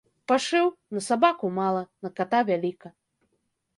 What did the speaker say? Пашыў: на сабаку ‒ мала, на ката ‒ вяліка